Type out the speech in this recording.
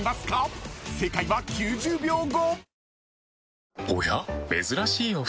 ［正解は９０秒後］